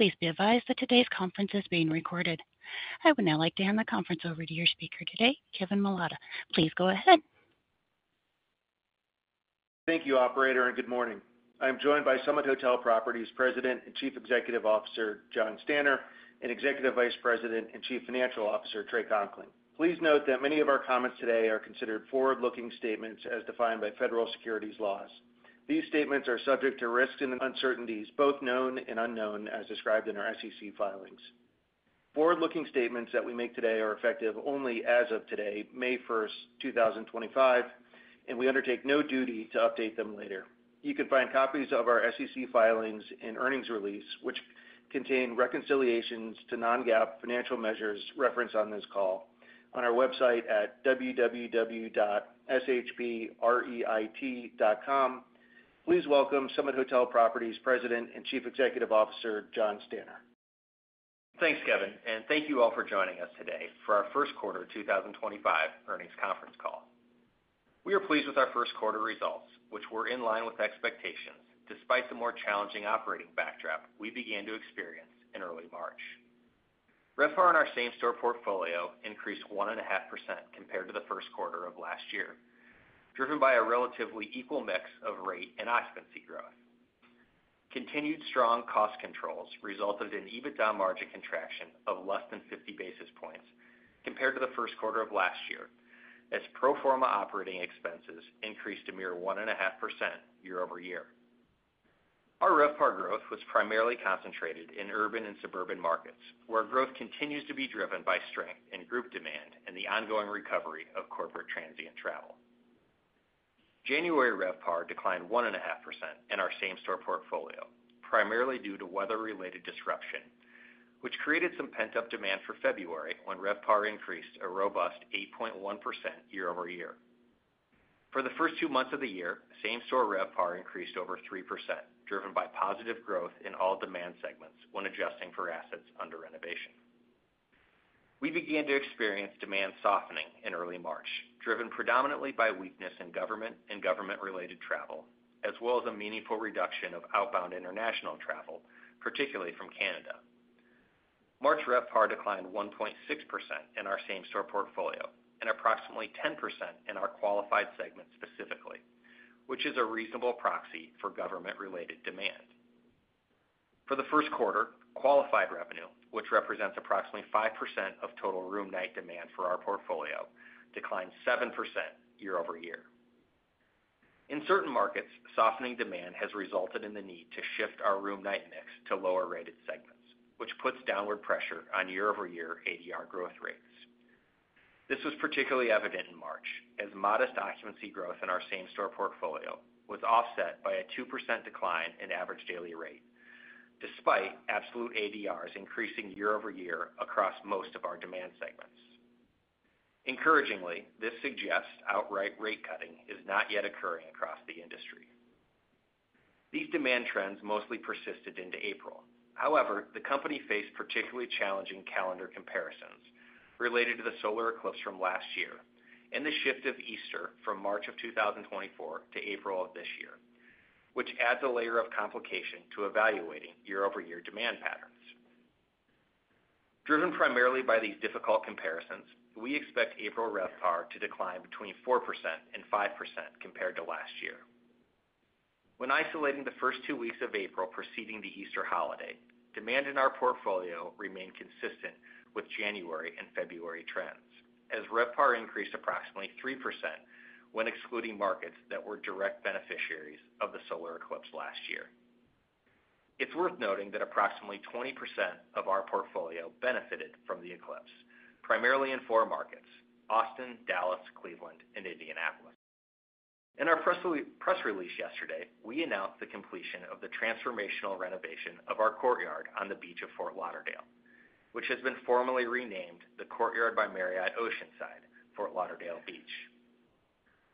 Please be advised that today's conference is being recorded. I would now like to hand the conference over to your speaker today, Kevin Milota. Please go ahead. Thank you, Operator, and good morning. I am joined by Summit Hotel Properties President and Chief Executive Officer Jon Stanner and Executive Vice President and Chief Financial Officer Trey Conkling. Please note that many of our comments today are considered forward-looking statements as defined by federal securities laws. These statements are subject to risks and uncertainties, both known and unknown, as described in our SEC filings. Forward-looking statements that we make today are effective only as of today, May 1st, 2025, and we undertake no duty to update them later. You can find copies of our SEC filings and earnings release, which contain reconciliations to non-GAAP financial measures referenced on this call, on our website at www.shpreit.com. Please welcome Summit Hotel Properties President and Chief Executive Officer Jon Stanner. Thanks, Kevin, and thank you all for joining us today for our first quarter 2025 earnings conference call. We are pleased with our first quarter results, which were in line with expectations despite the more challenging operating backdrop we began to experience in early March. RevPAR in our same-store portfolio increased 1.5% compared to the first quarter of last year, driven by a relatively equal mix of rate and occupancy growth. Continued strong cost controls resulted in an EBITDA margin contraction of less than 50 basis points compared to the first quarter of last year, as pro forma operating expenses increased a mere 1.5% year over year. Our RevPAR growth was primarily concentrated in urban and suburban markets, where growth continues to be driven by strength in group demand and the ongoing recovery of corporate transient travel. January RevPAR declined 1.5% in our same-store portfolio, primarily due to weather-related disruption, which created some pent-up demand for February when RevPAR increased a robust 8.1% year over year. For the first two months of the year, same-store RevPAR increased over 3%, driven by positive growth in all demand segments when adjusting for assets under renovation. We began to experience demand softening in early March, driven predominantly by weakness in government and government-related travel, as well as a meaningful reduction of outbound international travel, particularly from Canada. March RevPAR declined 1.6% in our same-store portfolio and approximately 10% in our qualified segment specifically, which is a reasonable proxy for government-related demand. For the first quarter, qualified revenue, which represents approximately 5% of total room night demand for our portfolio, declined 7% year over year. In certain markets, softening demand has resulted in the need to shift our room night mix to lower-rated segments, which puts downward pressure on year-over-year ADR growth rates. This was particularly evident in March, as modest occupancy growth in our same-store portfolio was offset by a 2% decline in average daily rate, despite absolute ADRs increasing year-over-year across most of our demand segments. Encouragingly, this suggests outright rate cutting is not yet occurring across the industry. These demand trends mostly persisted into April. However, the company faced particularly challenging calendar comparisons related to the solar eclipse from last year and the shift of Easter from March of 2024 to April of this year, which adds a layer of complication to evaluating year-over-year demand patterns. Driven primarily by these difficult comparisons, we expect April RevPAR to decline between 4% and 5% compared to last year. When isolating the first two weeks of April preceding the Easter holiday, demand in our portfolio remained consistent with January and February trends, as RevPAR increased approximately 3% when excluding markets that were direct beneficiaries of the solar eclipse last year. It's worth noting that approximately 20% of our portfolio benefited from the eclipse, primarily in four markets: Austin, Dallas, Cleveland, and Indianapolis. In our press release yesterday, we announced the completion of the transformational renovation of our Courtyard on the beach of Fort Lauderdale, which has been formally renamed the Courtyard by Marriott Oceanside Fort Lauderdale Beach.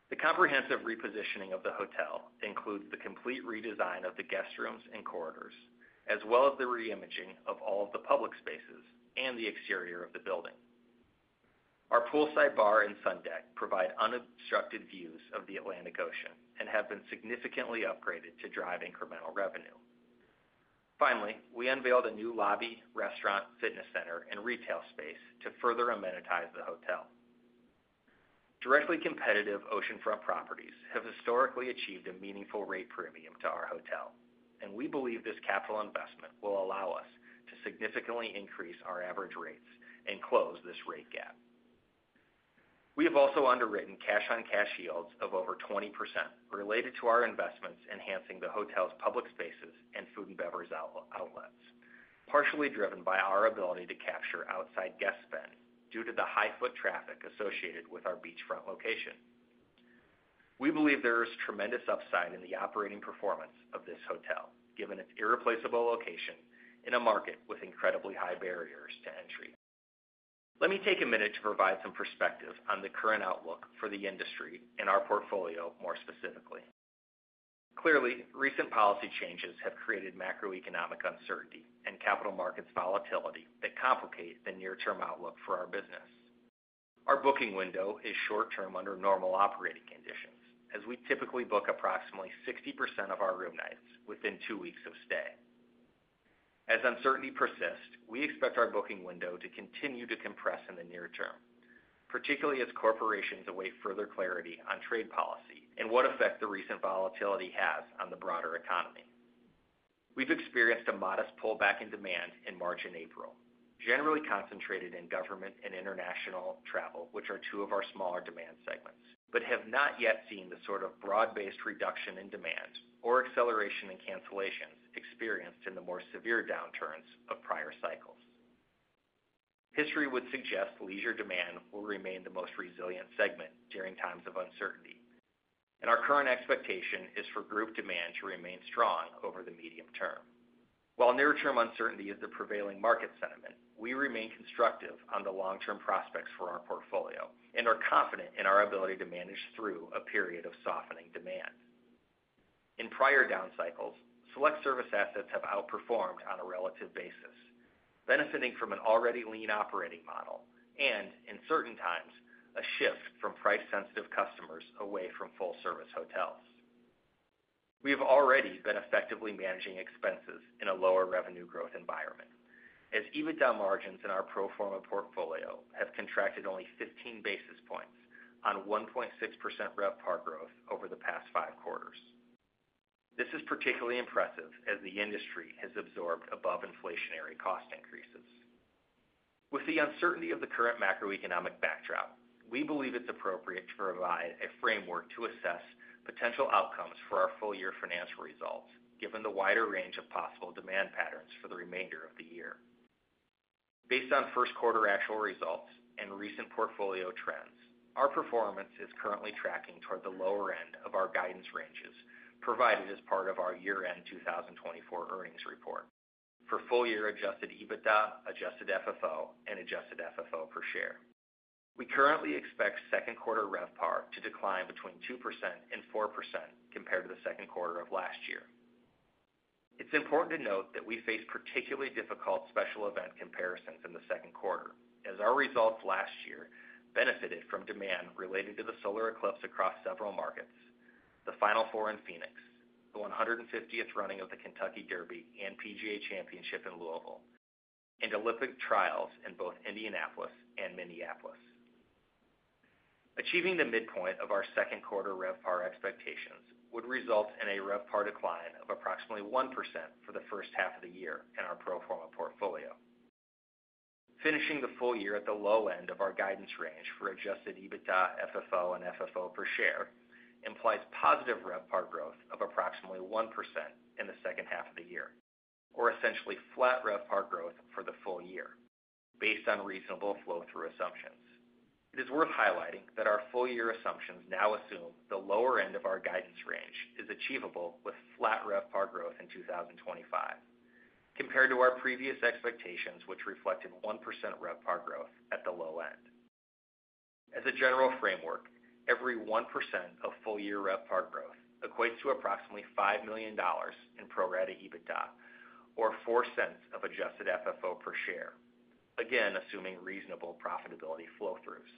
The comprehensive repositioning of the hotel includes the complete redesign of the guest rooms and corridors, as well as the reimaging of all of the public spaces and the exterior of the building. Our poolside bar and sun deck provide unobstructed views of the Atlantic Ocean and have been significantly upgraded to drive incremental revenue. Finally, we unveiled a new lobby, restaurant, fitness center, and retail space to further amenitize the hotel. Directly competitive oceanfront properties have historically achieved a meaningful rate premium to our hotel, and we believe this capital investment will allow us to significantly increase our average rates and close this rate gap. We have also underwritten cash-on-cash yields of over 20% related to our investments enhancing the hotel's public spaces and food and beverage outlets, partially driven by our ability to capture outside guest spend due to the high foot traffic associated with our beachfront location. We believe there is tremendous upside in the operating performance of this hotel, given its irreplaceable location in a market with incredibly high barriers to entry. Let me take a minute to provide some perspective on the current outlook for the industry and our portfolio more specifically. Clearly, recent policy changes have created macroeconomic uncertainty and capital markets volatility that complicate the near-term outlook for our business. Our booking window is short-term under normal operating conditions, as we typically book approximately 60% of our room nights within two weeks of stay. As uncertainty persists, we expect our booking window to continue to compress in the near term, particularly as corporations await further clarity on trade policy and what effect the recent volatility has on the broader economy. We've experienced a modest pullback in demand in March and April, generally concentrated in government and international travel, which are two of our smaller demand segments, but have not yet seen the sort of broad-based reduction in demand or acceleration in cancellations experienced in the more severe downturns of prior cycles. History would suggest leisure demand will remain the most resilient segment during times of uncertainty, and our current expectation is for group demand to remain strong over the medium term. While near-term uncertainty is the prevailing market sentiment, we remain constructive on the long-term prospects for our portfolio and are confident in our ability to manage through a period of softening demand. In prior down cycles, select-service assets have outperformed on a relative basis, benefiting from an already lean operating model and, in certain times, a shift from price-sensitive customers away from full-service hotels. We have already been effectively managing expenses in a lower revenue growth environment, as EBITDA margins in our pro forma portfolio have contracted only 15 basis points on 1.6% RevPAR growth over the past five quarters. This is particularly impressive as the industry has absorbed above-inflationary cost increases. With the uncertainty of the current macroeconomic backdrop, we believe it's appropriate to provide a framework to assess potential outcomes for our full-year financial results, given the wider range of possible demand patterns for the remainder of the year. Based on first-quarter actual results and recent portfolio trends, our performance is currently tracking toward the lower end of our guidance ranges provided as part of our year-end 2024 earnings report for full-year adjusted EBITDA, adjusted FFO, and adjusted FFO per share. We currently expect second-quarter RevPAR to decline between 2%-4% compared to the second quarter of last year. It's important to note that we face particularly difficult special event comparisons in the second quarter, as our results last year benefited from demand related to the solar eclipse across several markets: the Final Four in Phoenix, the 150th running of the Kentucky Derby, and PGA Championship in Louisville, and Olympic Trials in both Indianapolis and Minneapolis. Achieving the midpoint of our second-quarter RevPAR expectations would result in a RevPAR decline of approximately 1% for the first half of the year in our pro forma portfolio. Finishing the full year at the low end of our guidance range for adjusted EBITDA, FFO, and FFO per share implies positive RevPAR growth of approximately 1% in the second half of the year, or essentially flat RevPAR growth for the full year, based on reasonable flow-through assumptions. It is worth highlighting that our full-year assumptions now assume the lower end of our guidance range is achievable with flat RevPAR growth in 2025, compared to our previous expectations, which reflected 1% RevPAR growth at the low end. As a general framework, every 1% of full-year RevPAR growth equates to approximately $5 million in pro rata EBITDA, or $0.04 of adjusted FFO per share, again assuming reasonable profitability flow-throughs.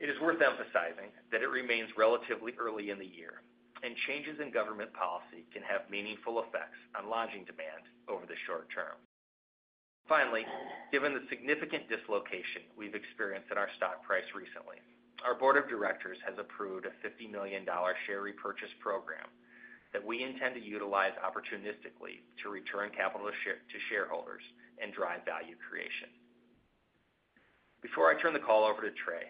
It is worth emphasizing that it remains relatively early in the year, and changes in government policy can have meaningful effects on lodging demand over the short term. Finally, given the significant dislocation we've experienced in our stock price recently, our board of directors has approved a $50 million share repurchase program that we intend to utilize opportunistically to return capital to shareholders and drive value creation. Before I turn the call over to Trey,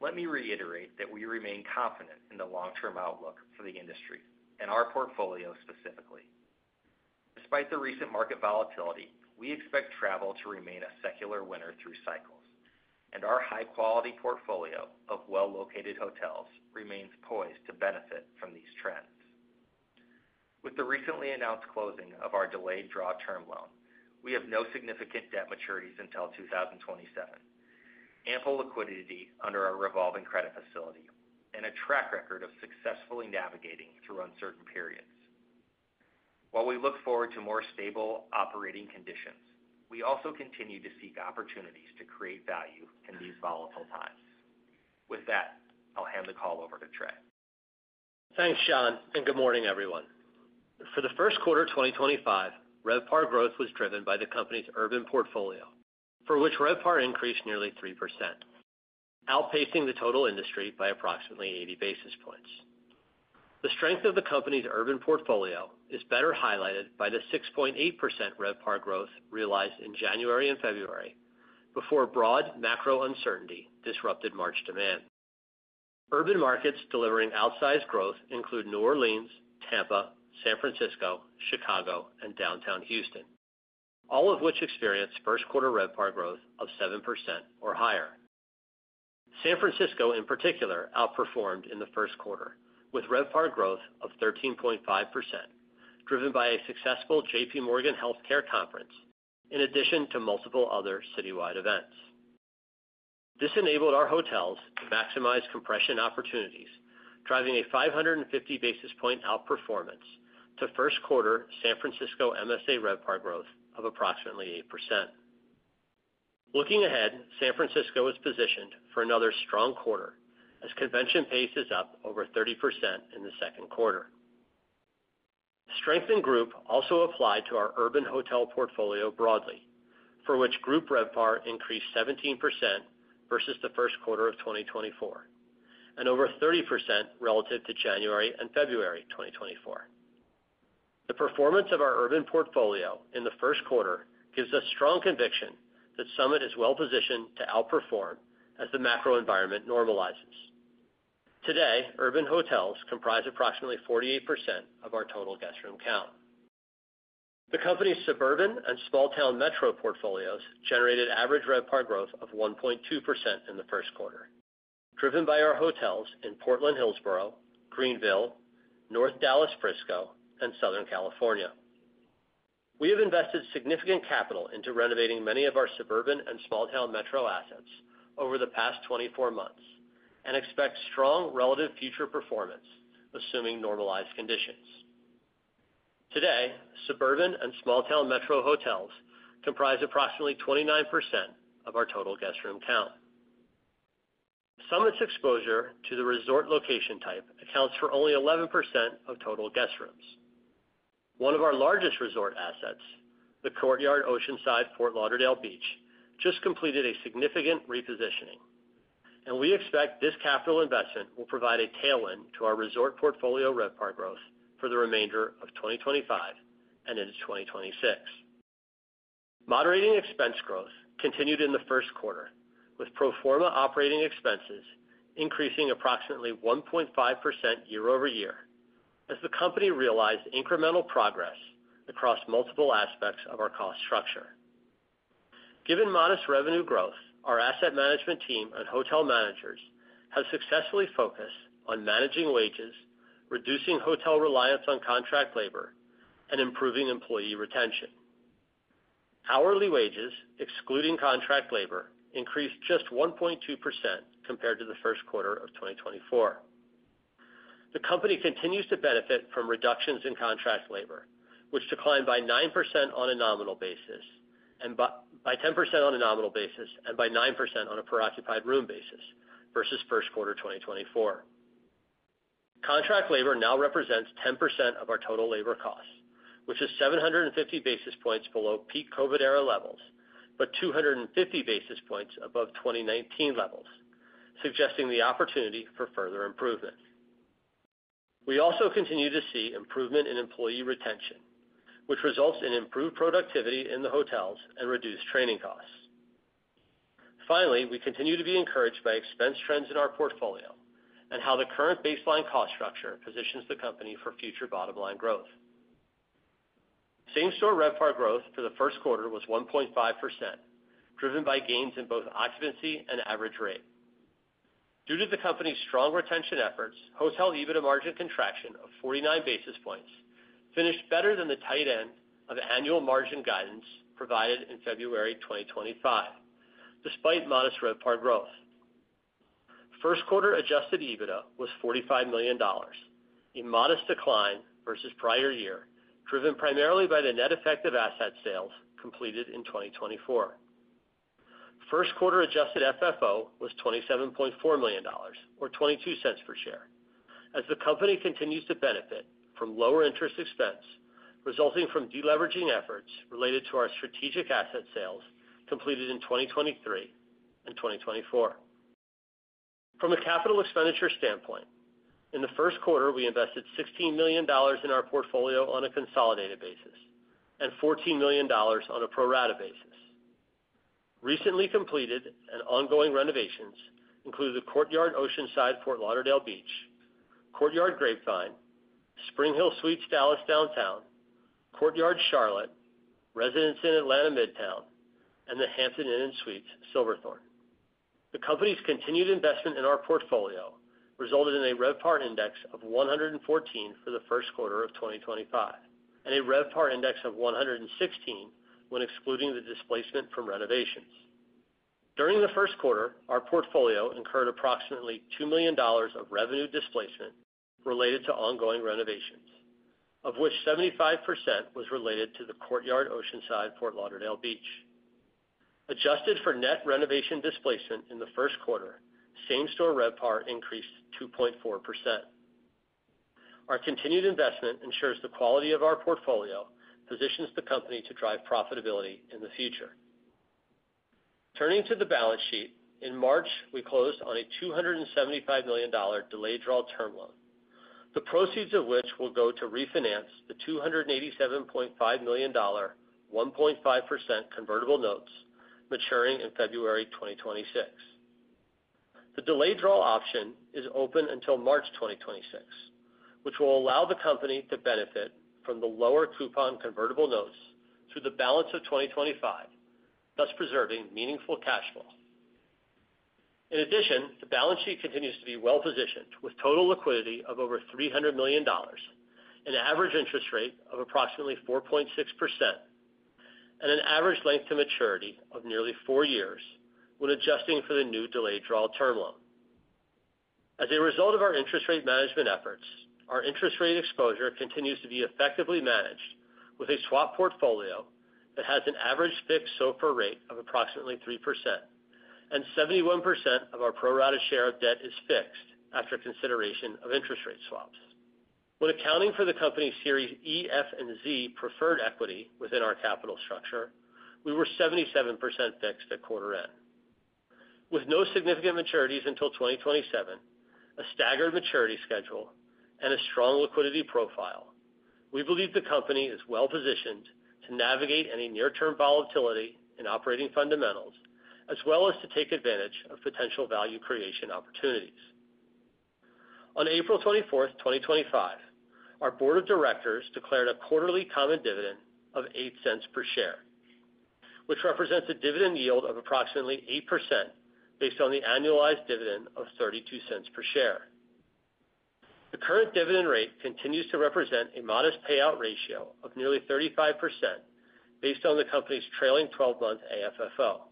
let me reiterate that we remain confident in the long-term outlook for the industry and our portfolio specifically. Despite the recent market volatility, we expect travel to remain a secular winner through cycles, and our high-quality portfolio of well-located hotels remains poised to benefit from these trends. With the recently announced closing of our delayed draw term loan, we have no significant debt maturities until 2027, ample liquidity under our revolving credit facility, and a track record of successfully navigating through uncertain periods. While we look forward to more stable operating conditions, we also continue to seek opportunities to create value in these volatile times. With that, I'll hand the call over to Trey. Thanks, Jon, and good morning, everyone. For the first quarter 2025, RevPAR growth was driven by the company's urban portfolio, for which RevPAR increased nearly 3%, outpacing the total industry by approximately 80 basis points. The strength of the company's urban portfolio is better highlighted by the 6.8% RevPAR growth realized in January and February before broad macro uncertainty disrupted March demand. Urban markets delivering outsized growth include New Orleans, Tampa, San Francisco, Chicago, and downtown Houston, all of which experienced first-quarter RevPAR growth of 7% or higher. San Francisco, in particular, outperformed in the first quarter with RevPAR growth of 13.5%, driven by a successful J.P. Morgan Healthcare Conference, in addition to multiple other citywide events. This enabled our hotels to maximize compression opportunities, driving a 550 basis point outperformance to first-quarter San Francisco MSA RevPAR growth of approximately 8%. Looking ahead, San Francisco is positioned for another strong quarter as convention pace is up over 30% in the second quarter. Strength in group also applied to our urban hotel portfolio broadly, for which group RevPAR increased 17% versus the first quarter of 2024 and over 30% relative to January and February 2024. The performance of our urban portfolio in the first quarter gives us strong conviction that Summit is well-positioned to outperform as the macro environment normalizes. Today, urban hotels comprise approximately 48% of our total guest room count. The company's suburban and small-town metro portfolios generated average RevPAR growth of 1.2% in the first quarter, driven by our hotels in Portland, Hillsboro, Greenville, North Dallas-Frisco, and Southern California. We have invested significant capital into renovating many of our suburban and small-town metro assets over the past 24 months and expect strong relative future performance assuming normalized conditions. Today, suburban and small-town metro hotels comprise approximately 29% of our total guest room count. Summit's exposure to the resort location type accounts for only 11% of total guest rooms. One of our largest resort assets, the Courtyard Oceanside Fort Lauderdale Beach, just completed a significant repositioning, and we expect this capital investment will provide a tailwind to our resort portfolio RevPAR growth for the remainder of 2025 and into 2026. Moderating expense growth continued in the first quarter, with pro forma operating expenses increasing approximately 1.5% year over year as the company realized incremental progress across multiple aspects of our cost structure. Given modest revenue growth, our asset management team and hotel managers have successfully focused on managing wages, reducing hotel reliance on contract labor, and improving employee retention. Hourly wages, excluding contract labor, increased just 1.2% compared to the first quarter of 2024. The company continues to benefit from reductions in contract labor, which declined by 9% on a nominal basis and by 10% on a nominal basis and by 9% on a per occupied room basis versus first quarter 2024. Contract labor now represents 10% of our total labor costs, which is 750 basis points below peak COVID-era levels but 250 basis points above 2019 levels, suggesting the opportunity for further improvement. We also continue to see improvement in employee retention, which results in improved productivity in the hotels and reduced training costs. Finally, we continue to be encouraged by expense trends in our portfolio and how the current baseline cost structure positions the company for future bottom-line growth. Same-store RevPAR growth for the first quarter was 1.5%, driven by gains in both occupancy and average rate. Due to the company's strong retention efforts, hotel EBITDA margin contraction of 49 basis points finished better than the tight end of annual margin guidance provided in February 2025, despite modest RevPAR growth. First-quarter adjusted EBITDA was $45 million, a modest decline versus prior year, driven primarily by the net effective asset sales completed in 2024. First-quarter adjusted FFO was $27.4 million, or $0.22 per share, as the company continues to benefit from lower interest expense resulting from deleveraging efforts related to our strategic asset sales completed in 2023 and 2024. From a capital expenditure standpoint, in the first quarter, we invested $16 million in our portfolio on a consolidated basis and $14 million on a pro rata basis. Recently completed and ongoing renovations include the Courtyard Oceanside Fort Lauderdale Beach, Courtyard Grapevine, SpringHill Suites Dallas Downtown, Courtyard Charlotte, Residence Inn Atlanta Midtown, and the Hampton Inn & Suites Silverthorne. The company's continued investment in our portfolio resulted in a RevPAR index of 114 for the first quarter of 2025 and a RevPAR index of 116 when excluding the displacement from renovations. During the first quarter, our portfolio incurred approximately $2 million of revenue displacement related to ongoing renovations, of which 75% was related to the Courtyard Oceanside Fort Lauderdale Beach. Adjusted for net renovation displacement in the first quarter, same-store RevPAR increased 2.4%. Our continued investment ensures the quality of our portfolio positions the company to drive profitability in the future. Turning to the balance sheet, in March, we closed on a $275 million delayed draw term loan, the proceeds of which will go to refinance the $287.5 million 1.5% convertible notes maturing in February 2026. The delayed draw option is open until March 2026, which will allow the company to benefit from the lower coupon convertible notes through the balance of 2025, thus preserving meaningful cash flow. In addition, the balance sheet continues to be well-positioned with total liquidity of over $300 million, an average interest rate of approximately 4.6%, and an average length to maturity of nearly four years when adjusting for the new delayed draw term loan. As a result of our interest rate management efforts, our interest rate exposure continues to be effectively managed with a swap portfolio that has an average fixed SOFR rate of approximately 3%, and 71% of our pro rata share of debt is fixed after consideration of interest rate swaps. When accounting for the company's Series E, F, and Z preferred equity within our capital structure, we were 77% fixed at quarter end. With no significant maturities until 2027, a staggered maturity schedule, and a strong liquidity profile, we believe the company is well-positioned to navigate any near-term volatility in operating fundamentals, as well as to take advantage of potential value creation opportunities. On April 24, 2025, our board of directors declared a quarterly common dividend of $0.08 per share, which represents a dividend yield of approximately 8% based on the annualized dividend of $0.32 per share. The current dividend rate continues to represent a modest payout ratio of nearly 35% based on the company's trailing 12-month AFFO.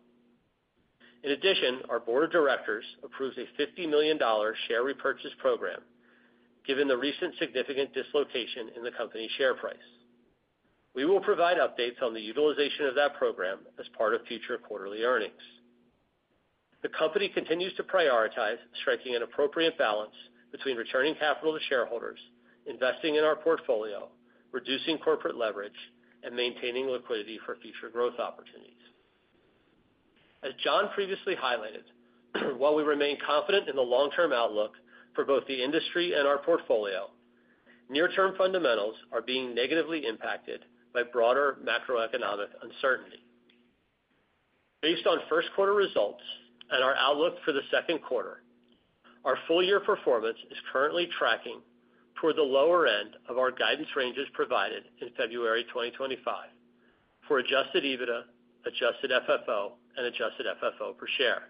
In addition, our Board of Directors approves a $50 million share repurchase program, given the recent significant dislocation in the company's share price. We will provide updates on the utilization of that program as part of future quarterly earnings. The company continues to prioritize striking an appropriate balance between returning capital to shareholders, investing in our portfolio, reducing corporate leverage, and maintaining liquidity for future growth opportunities. As Jon previously highlighted, while we remain confident in the long-term outlook for both the industry and our portfolio, near-term fundamentals are being negatively impacted by broader macroeconomic uncertainty. Based on first-quarter results and our outlook for the second quarter, our full-year performance is currently tracking toward the lower end of our guidance ranges provided in February 2025 for adjusted EBITDA, adjusted FFO, and adjusted FFO per share.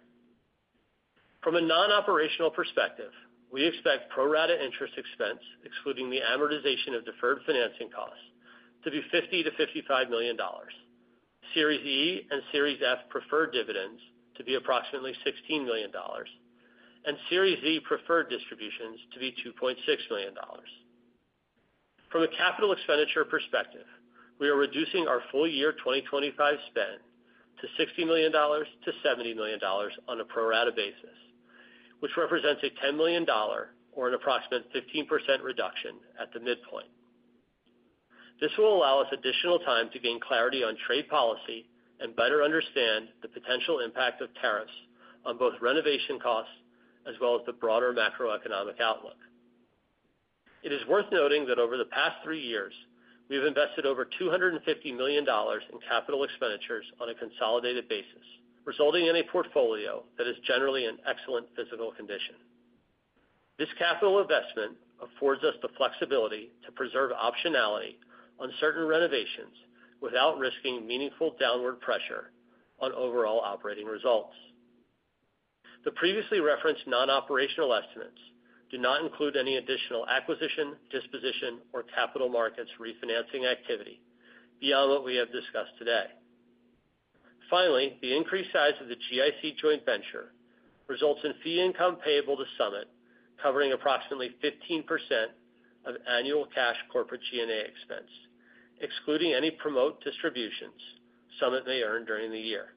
From a non-operational perspective, we expect pro rata interest expense, excluding the amortization of deferred financing costs, to be $50-$55 million, Series E and Series F preferred dividends to be approximately $16 million, and Series Z preferred distributions to be $2.6 million. From a capital expenditure perspective, we are reducing our full-year 2025 spend to $60-$70 million on a pro rata basis, which represents a $10 million, or an approximate 15% reduction at the midpoint. This will allow us additional time to gain clarity on trade policy and better understand the potential impact of tariffs on both renovation costs as well as the broader macroeconomic outlook. It is worth noting that over the past three years, we have invested over $250 million in capital expenditures on a consolidated basis, resulting in a portfolio that is generally in excellent physical condition. This capital investment affords us the flexibility to preserve optionality on certain renovations without risking meaningful downward pressure on overall operating results. The previously referenced non-operational estimates do not include any additional acquisition, disposition, or capital markets refinancing activity beyond what we have discussed today. Finally, the increased size of the GIC joint venture results in fee income payable to Summit, covering approximately 15% of annual cash corporate G&A expense, excluding any promote distributions Summit may earn during the year.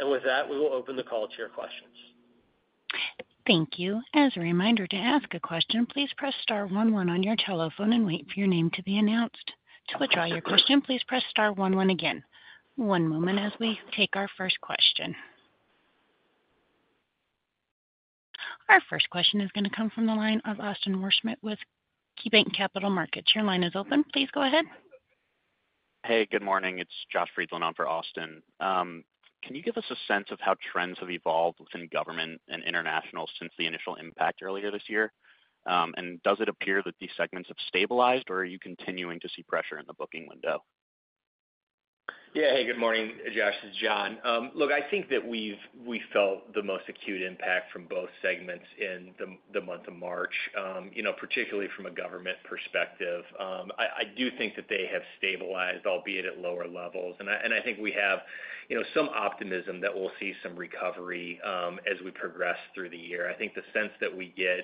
With that, we will open the call to your questions. Thank you. As a reminder to ask a question, please press star 11 on your telephone and wait for your name to be announced. To withdraw your question, please press star 11 again. One moment as we take our first question. Our first question is going to come from the line of Austin Wurschmidt with KeyBanc Capital Markets. Your line is open. Please go ahead. Hey, good morning. It's Josh Friedland on for Austin. Can you give us a sense of how trends have evolved within government and international since the initial impact earlier this year? Does it appear that these segments have stabilized, or are you continuing to see pressure in the booking window? Yeah. Hey, good morning, Josh. This is Jon. Look, I think that we felt the most acute impact from both segments in the month of March, particularly from a government perspective. I do think that they have stabilized, albeit at lower levels. I think we have some optimism that we'll see some recovery as we progress through the year. I think the sense that we get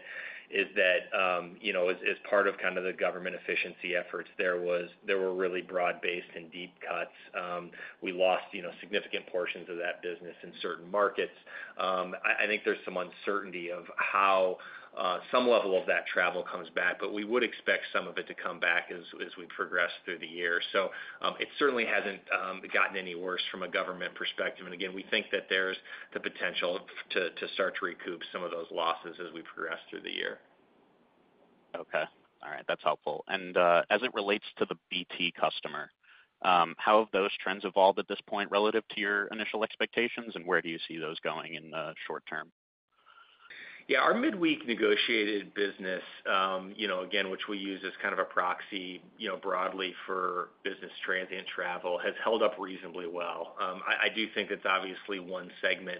is that, as part of kind of the government efficiency efforts, there were really broad-based and deep cuts. We lost significant portions of that business in certain markets. I think there's some uncertainty of how some level of that travel comes back, but we would expect some of it to come back as we progress through the year. It certainly hasn't gotten any worse from a government perspective. We think that there's the potential to start to recoup some of those losses as we progress through the year. Okay. All right. That's helpful. As it relates to the BT customer, how have those trends evolved at this point relative to your initial expectations, and where do you see those going in the short term? Yeah. Our midweek negotiated business, again, which we use as kind of a proxy broadly for business transient and travel, has held up reasonably well. I do think that's obviously one segment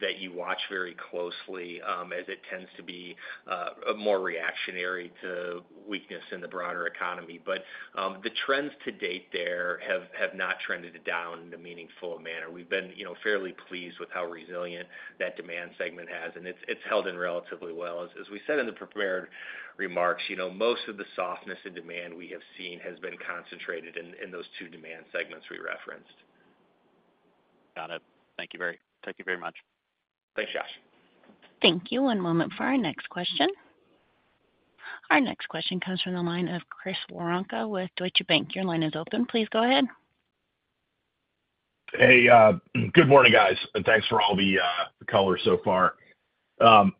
that you watch very closely as it tends to be more reactionary to weakness in the broader economy. The trends to date there have not trended down in a meaningful manner. We've been fairly pleased with how resilient that demand segment has, and it's held in relatively well. As we said in the prepared remarks, most of the softness in demand we have seen has been concentrated in those two demand segments we referenced. Got it. Thank you very much. Thanks, Josh. Thank you. One moment for our next question. Our next question comes from the line of Chris Woronka with Deutsche Bank. Your line is open. Please go ahead. Hey, good morning, guys. Thanks for all the color so far. Kind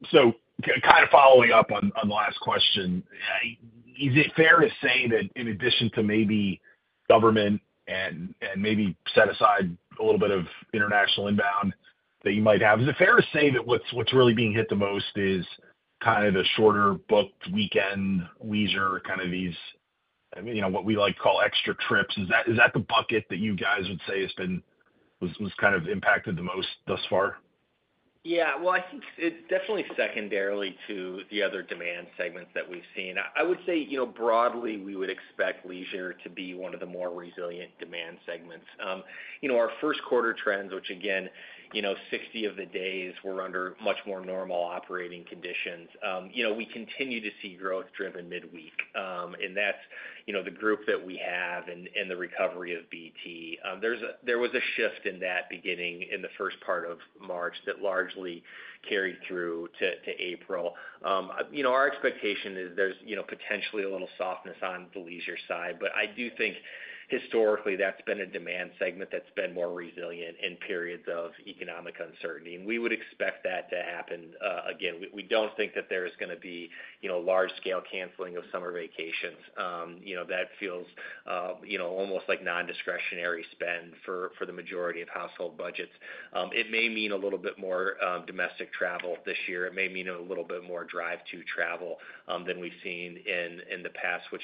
of following up on the last question, is it fair to say that in addition to maybe government and maybe set aside a little bit of international inbound that you might have, is it fair to say that what's really being hit the most is kind of the shorter booked weekend, leisure, kind of these what we like to call extra trips? Is that the bucket that you guys would say has been kind of impacted the most thus far? Yeah. I think it's definitely secondarily to the other demand segments that we've seen. I would say broadly, we would expect leisure to be one of the more resilient demand segments. Our first quarter trends, which again, 60 of the days were under much more normal operating conditions, we continue to see growth driven midweek. That's the group that we have and the recovery of BT. There was a shift in that beginning in the first part of March that largely carried through to April. Our expectation is there's potentially a little softness on the leisure side, but I do think historically that's been a demand segment that's been more resilient in periods of economic uncertainty. We would expect that to happen again. We don't think that there is going to be large-scale canceling of summer vacations. That feels almost like non-discretionary spend for the majority of household budgets. It may mean a little bit more domestic travel this year. It may mean a little bit more drive-through travel than we've seen in the past, which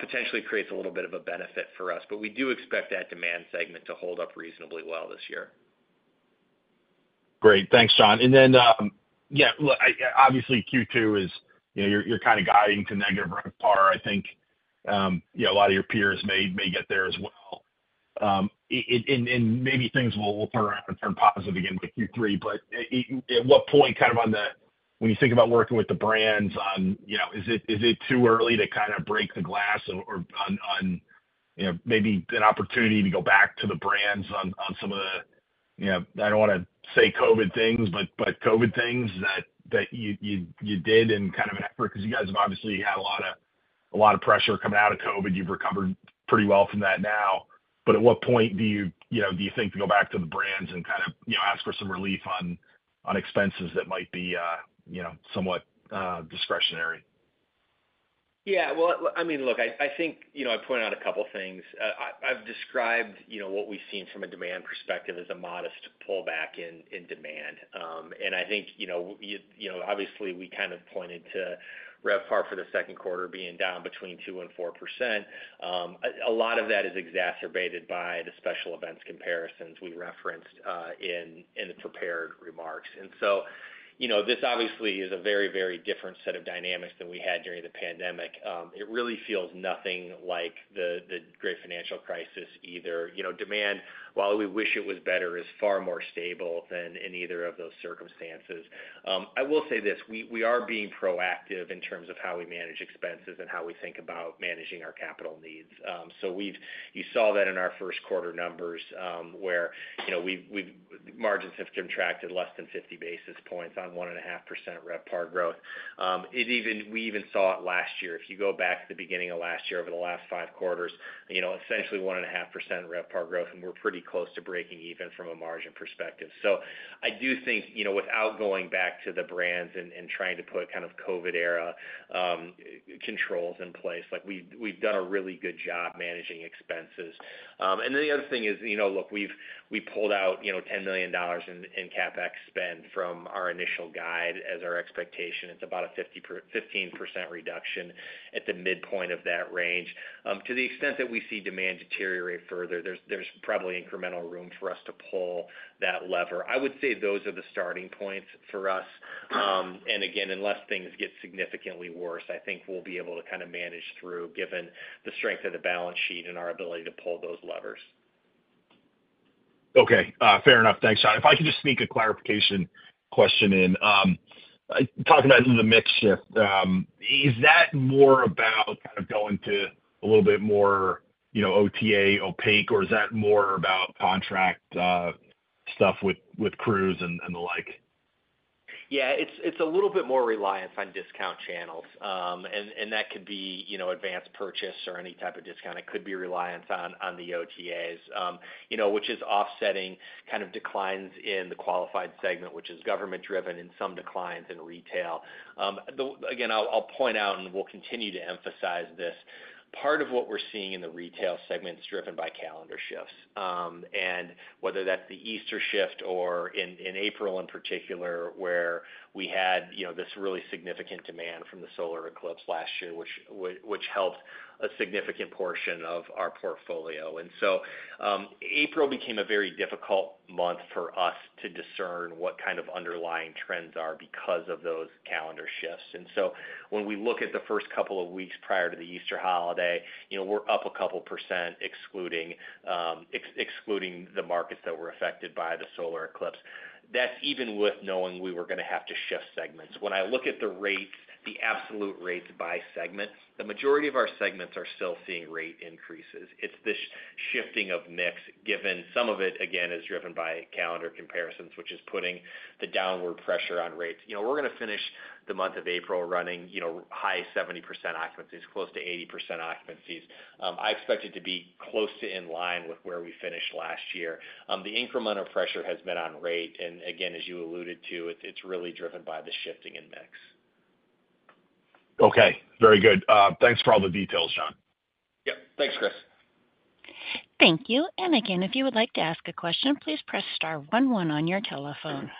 potentially creates a little bit of a benefit for us. We do expect that demand segment to hold up reasonably well this year. Great. Thanks, Jon. Yeah, look, obviously, Q2 is you're kind of guiding to negative RevPAR. I think a lot of your peers may get there as well. Maybe things will turn around and turn positive again with Q3. At what point, kind of when you think about working with the brands, is it too early to kind of break the glass on maybe an opportunity to go back to the brands on some of the, I don't want to say COVID things, but COVID things that you did in kind of an effort? You guys have obviously had a lot of pressure coming out of COVID. You've recovered pretty well from that now. At what point do you think to go back to the brands and kind of ask for some relief on expenses that might be somewhat discretionary? Yeah. I mean, look, I think I point out a couple of things. I've described what we've seen from a demand perspective as a modest pullback in demand. I think obviously we kind of pointed to RevPAR for the second quarter being down between 2% and 4%. A lot of that is exacerbated by the special events comparisons we referenced in the prepared remarks. This obviously is a very, very different set of dynamics than we had during the pandemic. It really feels nothing like the great financial crisis either. Demand, while we wish it was better, is far more stable than in either of those circumstances. I will say this: we are being proactive in terms of how we manage expenses and how we think about managing our capital needs. You saw that in our first quarter numbers where margins have contracted less than 50 basis points on 1.5% RevPAR growth. We even saw it last year. If you go back to the beginning of last year over the last five quarters, essentially 1.5% RevPAR growth, and we're pretty close to breaking even from a margin perspective. I do think without going back to the brands and trying to put kind of COVID-era controls in place, we've done a really good job managing expenses. The other thing is, look, we pulled out $10 million in CapEx spend from our initial guide as our expectation. It's about a 15% reduction at the midpoint of that range. To the extent that we see demand deteriorate further, there's probably incremental room for us to pull that lever. I would say those are the starting points for us. Unless things get significantly worse, I think we'll be able to kind of manage through given the strength of the balance sheet and our ability to pull those levers. Okay. Fair enough. Thanks, Jon. If I could just sneak a clarification question in. Talking about the mix shift, is that more about kind of going to a little bit more OTA, opaque, or is that more about contract stuff with Cruise and the like? Yeah. It's a little bit more reliance on discount channels. That could be advanced purchase or any type of discount. It could be reliance on the OTAs, which is offsetting kind of declines in the qualified segment, which is government-driven, and some declines in retail. Again, I'll point out, and we'll continue to emphasize this, part of what we're seeing in the retail segment is driven by calendar shifts. Whether that's the Easter shift or in April in particular, where we had this really significant demand from the solar eclipse last year, which helped a significant portion of our portfolio. April became a very difficult month for us to discern what kind of underlying trends are because of those calendar shifts. When we look at the first couple of weeks prior to the Easter holiday, we're up a couple % excluding the markets that were affected by the solar eclipse. That's even with knowing we were going to have to shift segments. When I look at the rates, the absolute rates by segment, the majority of our segments are still seeing rate increases. It's this shifting of mix given some of it, again, is driven by calendar comparisons, which is putting the downward pressure on rates. We're going to finish the month of April running high 70% occupancies, close to 80% occupancies. I expect it to be close to in line with where we finished last year. The incremental pressure has been on rate. Again, as you alluded to, it's really driven by the shifting in mix. Okay. Very good. Thanks for all the details, Jon. Yep. Thanks, Chris. Thank you. If you would like to ask a question, please press star 11 on your telephone.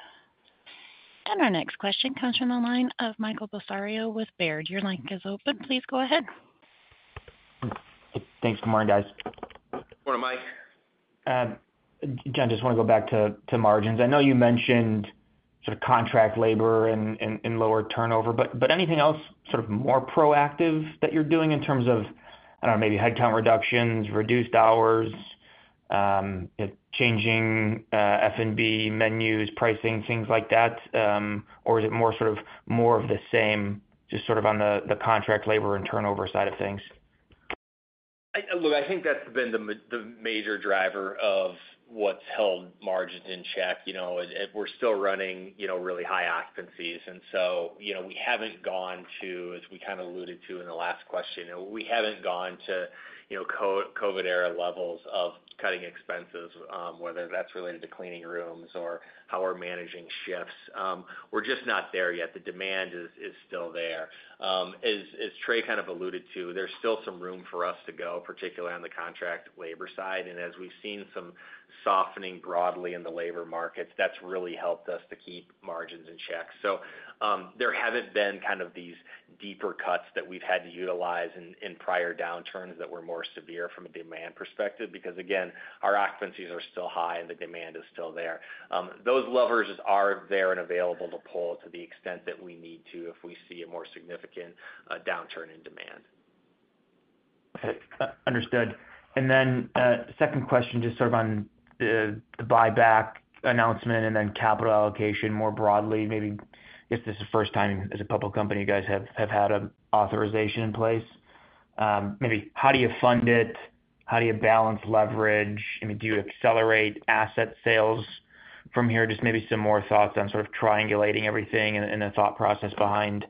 Our next question comes from the line of Michael Bellisario with Baird. Your line is open. Please go ahead. Thanks. Good morning, guys. Good morning, Mike. John, just want to go back to margins. I know you mentioned sort of contract labor and lower turnover, but anything else sort of more proactive that you're doing in terms of, I don't know, maybe headcount reductions, reduced hours, changing F&B menus, pricing, things like that? Or is it more sort of more of the same, just sort of on the contract labor and turnover side of things? Look, I think that's been the major driver of what's held margins in check. We're still running really high occupancies. We haven't gone to, as we kind of alluded to in the last question, we haven't gone to COVID-era levels of cutting expenses, whether that's related to cleaning rooms or how we're managing shifts. We're just not there yet. The demand is still there. As Trey kind of alluded to, there's still some room for us to go, particularly on the contract labor side. As we've seen some softening broadly in the labor markets, that's really helped us to keep margins in check. There haven't been kind of these deeper cuts that we've had to utilize in prior downturns that were more severe from a demand perspective because, again, our occupancies are still high and the demand is still there. Those levers are there and available to pull to the extent that we need to if we see a more significant downturn in demand. Okay. Understood. Second question, just sort of on the buyback announcement and then capital allocation more broadly, maybe if this is the first time as a public company you guys have had an authorization in place, maybe how do you fund it? How do you balance leverage? I mean, do you accelerate asset sales from here? Just maybe some more thoughts on sort of triangulating everything and the thought process behind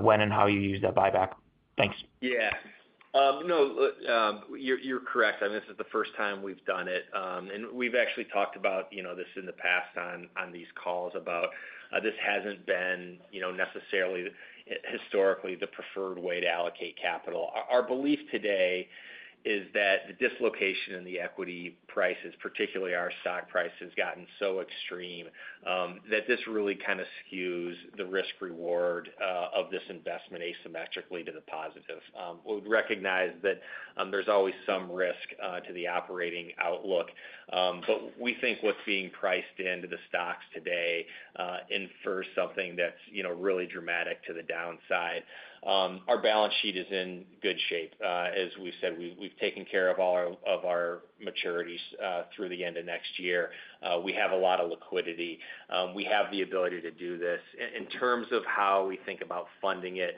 when and how you use that buyback. Thanks. Yeah. No, you're correct. I mean, this is the first time we've done it. And we've actually talked about this in the past on these calls about this hasn't been necessarily historically the preferred way to allocate capital. Our belief today is that the dislocation in the equity prices, particularly our stock price, has gotten so extreme that this really kind of skews the risk-reward of this investment asymmetrically to the positive. We recognize that there's always some risk to the operating outlook. But we think what's being priced into the stocks today infer something that's really dramatic to the downside. Our balance sheet is in good shape. As we've said, we've taken care of all of our maturities through the end of next year. We have a lot of liquidity. We have the ability to do this. In terms of how we think about funding it,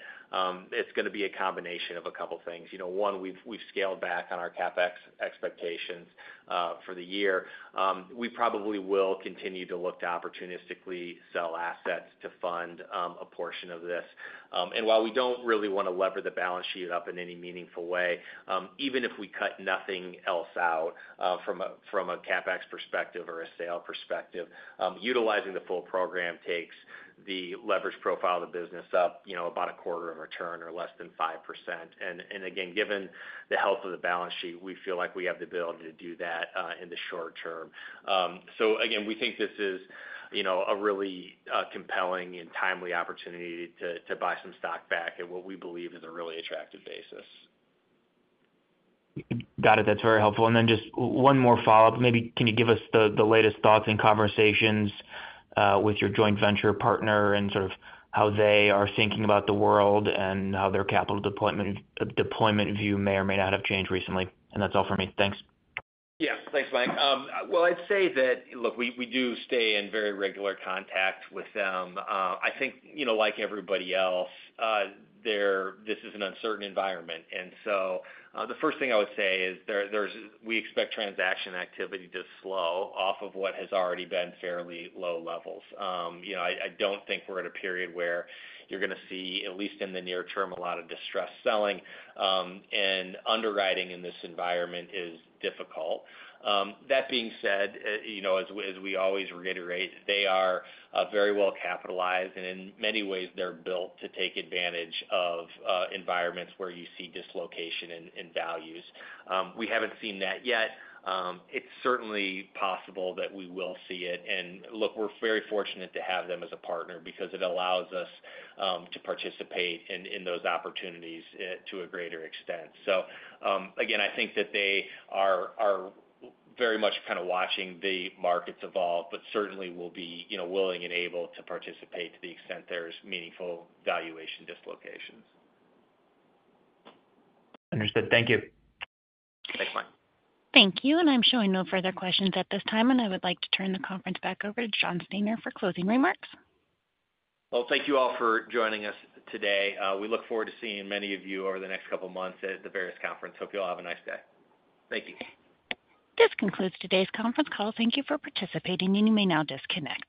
it's going to be a combination of a couple of things. One, we've scaled back on our CapEx expectations for the year. We probably will continue to look to opportunistically sell assets to fund a portion of this. While we don't really want to lever the balance sheet up in any meaningful way, even if we cut nothing else out from a CapEx perspective or a sale perspective, utilizing the full program takes the leverage profile of the business up about a quarter of a turn or less than 5%. Given the health of the balance sheet, we feel like we have the ability to do that in the short term. We think this is a really compelling and timely opportunity to buy some stock back at what we believe is a really attractive basis. Got it. That's very helpful. Just one more follow-up. Maybe can you give us the latest thoughts and conversations with your joint venture partner and sort of how they are thinking about the world and how their capital deployment view may or may not have changed recently? That's all for me. Thanks. Yeah. Thanks, Mike. I'd say that, look, we do stay in very regular contact with them. I think like everybody else, this is an uncertain environment. The first thing I would say is we expect transaction activity to slow off of what has already been fairly low levels. I don't think we're at a period where you're going to see, at least in the near term, a lot of distressed selling. Underwriting in this environment is difficult. That being said, as we always reiterate, they are very well capitalized. In many ways, they're built to take advantage of environments where you see dislocation in values. We haven't seen that yet. It's certainly possible that we will see it. Look, we're very fortunate to have them as a partner because it allows us to participate in those opportunities to a greater extent. I think that they are very much kind of watching the markets evolve, but certainly will be willing and able to participate to the extent there's meaningful valuation dislocations. Understood. Thank you. Thanks, Mike. Thank you. I am showing no further questions at this time. I would like to turn the conference back over to Jon Stanner for closing remarks. Thank you all for joining us today. We look forward to seeing many of you over the next couple of months at the various conferences. Hope you all have a nice day. Thank you. This concludes today's conference call. Thank you for participating. You may now disconnect.